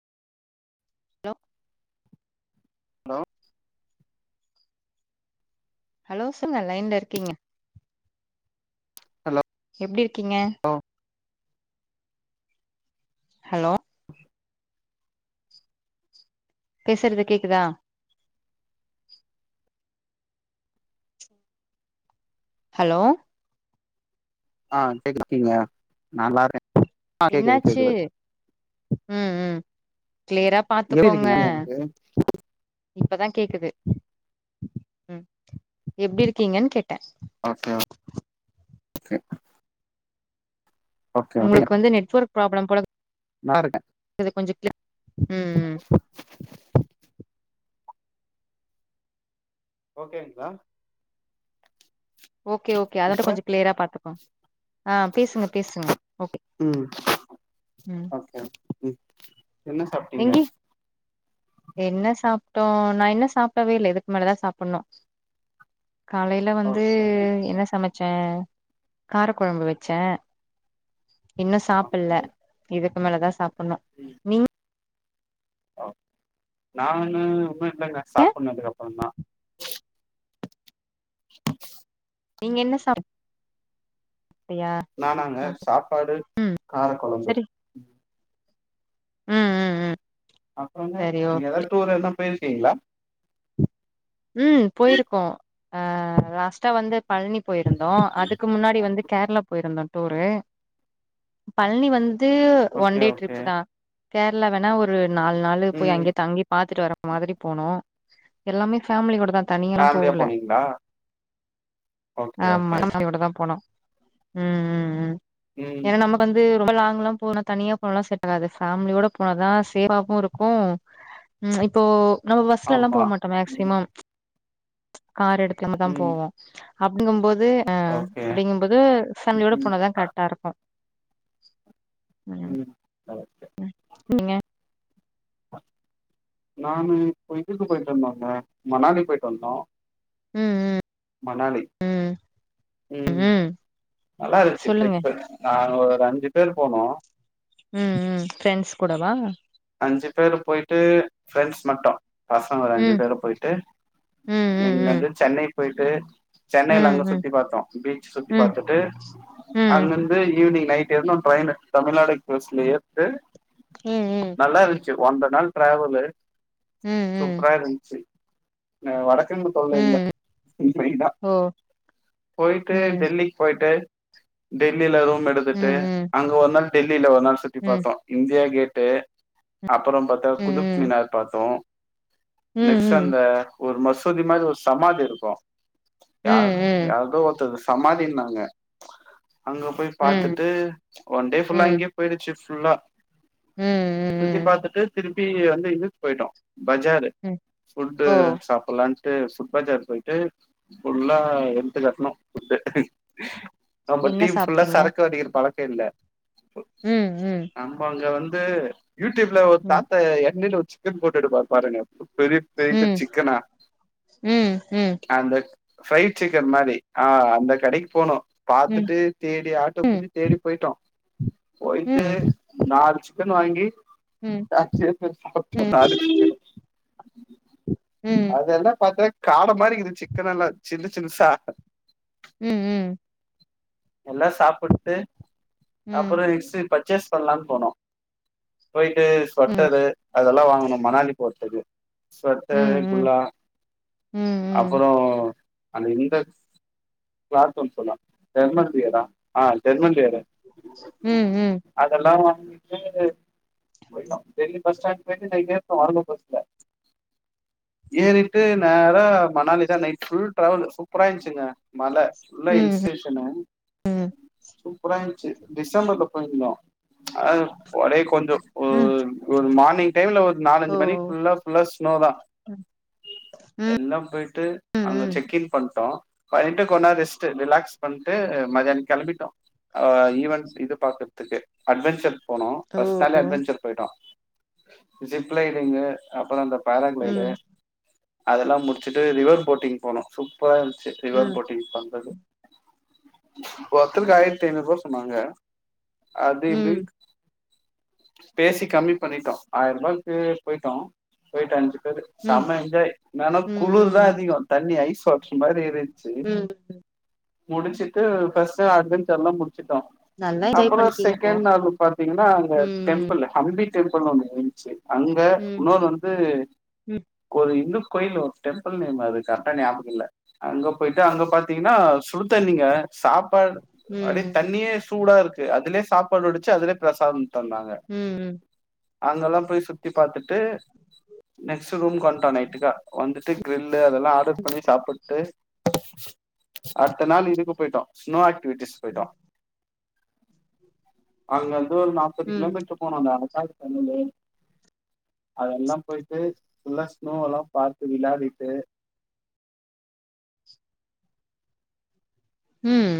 hello hello hello சொல்ங்க லைன்ல இருக்கீங்க ஹலோ எப்டி இருக்கீங்க ஹலோ பேசறது கேக்குதா ஹலோ ஆ கேக்குது [inaudible] கீங்க நா நல்லாருக்கே ஆ கேக்குது என்னாச்சு கேக்குது ம் ம் க்ளியரா எப்டி பாத்துக்கோங்க இருக்கீங்க எனக்கு இப்பதா கேக்குது ம் எப்டி இருக்கீங்கன் கேட்ட ஓகே ஓ கே உங்களுக்கு வந்து நெட்வொர்க் ப்ராப்ளம் போல நல்லாருக்கே இது கொஞ்சோ க்ளி ம் ம் ஓகேங்ளா ஓகே ஓகே அதோட இப்ப கொஞ்சோ க்ளியரா பாத்துக்கோங் ஆ பேசுங்க பேசுங்க ஓகே ம் ம் ஓகே ம் என்ன சாப்ட்டீங்க எங்கி என்ன சாப்ட்டோ நா இன்னு சாப்டவே இல்ல இதுக்கு மேலதா சாப்பிணு காலையில வந்து ஓகே ஓகே என்ன சமச்சே கார கொழம்பு வச்சே இன்னு ஓகே சாப்பில இதுக்கு மேலதா சாப்புணு ம் நானு இன்னு இல்லைங்க சாப்புட்னு இதுக்கப்புறோந்தா [inaudible] நீங்க என்ன சாப் நானாங்க ஓகே சாப்பாடு கார கொழம்பு சரி ம் ம் ம் அப்புறங்க சரி நீங்க ஓகே எதாவது டூர் எனா போயிருக்கீங்களா ம் போயிருக்கோ ஆ லாஸ்ட்டா வந்து பழனி போயிருந்தோ அதுக்கு முன்னாடி வந்து கேரளா போயிருந்தோ டூரு [inaudible] பழனி வந் து ஒன் ஓகே டே ஓகே டிரிப்புதா கேரளா வேணா ஒரு நாலு நாள் போய் ம் அங்கயே தங்கி பாத்துட்டு வர மாதிரி போனோ எல்லாமே ஃபேமிலிகூட தா தனியால்லா ஃபேமிலியா போவுல போனீங்களா ஓகே ஆமா ஓகே எல்லா ஃபேமிலியோடதா போனோ ம் ம் ம் ம் ஏன்னா நமக் வந்து ரொம்ப லாங்லா போனா தனியா போனலா செட்டகாது ஃபேம்லியோட போனதா சேஃபாவு இருக்கு ம் இப்போ நம்ம பஸ்லலா போ ஆமா மாட்டோ மேக்சிமம் கார் எடுத்துட்டுதா ம் போவோ அப்படிங்கும்போது ஆ ஓகே அப்படிங்கும் போது ம் ஃபேமிலியோட ஓகே போணாதா கரெக்டா இருக்கும் ம் அ நீங்க நானு இப்ப இதுக்கு போயிட்டு வந்தோங்க மணாலி போயிட்டு வந்தோ ம் ம் மணாலி ம் நல்லா இருந்துச்சு சொல்லுங்க ப்ளேசஸ் நாங்க ஒரு அஞ்சு பேரு போனோ ம் ம் ஃப்ரெண்ட்ஸ் கூடவா அஞ்சு பேரு போயிட்டு ஃப்ரெண்ட்ஸ் மட்டு பசங்க ஒரு அஞ்சு ம் பேரு போயிட்டு ம் ம் ம் இன்னது சென்னை போயிட்டு சென்னையில ம் அங்க ம் சுத்தி பாத்தோ பீச் சுத்தி ம் பாத்துட்டு ம் அங்கிருந்து ஈவினிங் நைட் ஏறுனோ ட்ரெயின்னு தமிழ்நாடு எக்ஸ்பிரஸ்ல ஏற்ட்டு ம் ம் நல்லா இருந்துச்சு ஒன்ற நாள் டிராவலு ம் ம் ம் சூப்பரா இருந்ச்சு அ வடக்கங்க தொல்லை இல்ல ம் இன்னைக்கிதா ஓ போய்ட்டு ம் டெல்லிக்கு போயிட்டு டெல்லியில ரூம் ம் எடுத்துட்டு ம் அங்க வந்தோன டெல்லில ஒரு நாள் சுத்தி ம் பாத்தோ இந்தியா கேட்டு அப்புறம் பாத்தா ம் ம் குதுப் மினார் பாத்தோ ம் நெக்ஸ்ட் ம் அந்த ஒரு மசூதி மாறி ஒரு சமாதி இருக்கு ம் யார் ம் யாருக்கோ ஒருத்தருக்கு சமாதினாங்க அங்க போய் பாத்துட்டு ஒன்டே ஃபுல்லா அங்கயே போயிடுச்சு ஃபுல்லா ம் சுத்தி ம் பாத்துட்டு திருப்பி வந்து இங்க போயிட்டோ பஜாரு ம் ஃபுட்டு ஓ சாப் ப்புல்லான்ட்டு ஃபுட் பஜார் போயிட்டு ஃபுல்லா வெளுத்து கட்ணோ ஃபுட்டு நம்ம என்ன டீம் ஃபுல்லா சாப்ட்டீங்க சரக்கு அடிக்கிற பழக்க இல்ல ம் ம் நம்ம அங்க வந்து யூடியூப்ல ஒரு ம் தாத்தா எண்ணேல வெச்சு சிக்கன் போட்டுட்டு இருப்பாரு பாருங்க பெரிய ம் ப்ளேட்டு ம் சிக்கனா ம் ம் அந்த ஃப்ரைட் சிக்கன் மாறி ஆ அந்த கடைக்கு போனோ பாத்துட்டு தேடி ஆட்டோ ம் புடிச்சு தேடி போயிட்டோ போயிட்டு ம் நாலு சிக்கன் வாங்கி ம் [inaudible] ம் நா அடிச்சுட்டே ம் அதெல்லா பாத்தா காடை மாறிருக்கிது சிக்கன் எல்லா சின்ன சின்ஸா ம் ம் எல்லா சாப்பிட்டு ம் அப்பறோ இச்சிட் பர்ச்சேஸ் ப்பிலானு போனோ போயிட்டு ம் ஸ்வட்டரு அதெல்லா வாங்குனோ மணாலி போறதுக்கு ம் ஸ்வட்டரு ம் குள்ளா ம் அப்பறோ அந்த இந்த கிளாத் ஒன்னு சொன்னா டெர்மன்பியரா ஆ டெர்மன்பியரு ம் ம் அதெல்லா வாங்கிட்டு போய்டோ டெல்லி பஸ் ஸ்டாண்டு போய்ட்டு நைட்டு ஏறிட்டோ வால்வோ பஸ்ல ஏறிட்டு நேரா மணாலி தா நைட் ஃபுல் டிராவல் சூப்பராயிருத்துச்சுங்க மல ஃபுல்லா ம் ம் ஹில்ஸ்டேஷனு சூப்பரா இருந்துச்சு டிசம்பர்ல போயிருந்தோ அதான ஒடே கொஞ்சோ உ ம் ஒரு மார்னிங் டைம்ல ஒரு நாலஞ்சு ஓ மணி ஃபுல்லா ஃபுல்லா ஸ்னோ தா எல்லா போயிட்டு ம் அங்க ம் செக் இன் பண்ட்டோ பண்ணிட்டு கொ நோரோ ரெஸ்ட்டு ரிலாக்ஸ் பண்ட்டு மத்தியானோ கெளம்பிட்டோ ஆ ஈவென்ட் இது பாக்கறதுக்கு அட்வெஞ்சர் போனோ ஓ ஃபஸ்ட்டு நாள்லே அட்வெஞ்சர் போயிட்டோ ஜிப் லைடிங்கு அப்பறோ அந்த பேராகிளைடு ம் அதெல்லா முடிச்சுட்டு ரிவர் போட்டிங் போனோ சூப்பரா இரு ந்துச்சு ம் ரிவர் ம் போட்டிங் பண்றது ஒத்தருக்கு ஆயிரத்தி ஐநூறு ரூவா சொன்னாங்க அப்டி ம் இப்டிட் பேசி கம்மி பண்ணிட்டோ ஆயிர ரூபாக்கு போயிட்டோ போயிட்டு அஞ்சு பேரு ம் செம்ம என்சாய் இன்னனா குளிர் தா ம் அதிகோ தண்ணி ஐஸ் வாட்டர் மாரி இருஞ்ச்சு ம் முடிச்சிட்டு ஃபஸ்ட்டு அட்வெஞ்சர் ல்லா முடிச்சிட்டோ நல்லா என்ஜாய் அப்பறோ செக் பண்ணிருக்கீங்க அப்போ செகண்ட் நாளு பாத்தீங்கன்னா அந்த ம் டெம்பிள் ஹம்பி டெம்பிள்னு ஒன்னு இருந்துச்சு அங்க ம் இன்னொன்னு வந்து ம் ம் ஒரு இந்து கோயில் ஒரு டெம்பிள் நேம் அது கரெக்டா ஞாபக இல்ல அங்க போயிட்டு அங்க பாத்தி னா சுடுத்தண்ணிங்க சாப்பாடு அப்டி ம் தண்ணியே சூடா இருக்கு தே அதுலயே சாப்பாடு வடிச்சு அதுலயே பிரசாதோ தந்தாங்க ம் அங்கெல்லா போய் சுத்தி பாத்துட்டு நெக்ஸ்ட் ரூம்க்கு வந்துட்டோ நைட்டுக்கா வந்துட்டு கிரில் அதெல்லா ஆர்டர் பண்ணி சாப்பிட்டு அடுத்த நாள் இதுக்கு போயிட்டோ ஸ்னோ ஆக்டிவிட்டிஸ் போயிட்டோ அங்க இருந்து ஒரு நாப்பது ம் கிலோமீட்டரு போனோங்க அங்க எட்டாயிரத்தி ஐநூலு அதெல்லா போயிட்டு ஃபுல்லா ஸ்னோ எல்லா பாத்து விளாடிட்டு ம்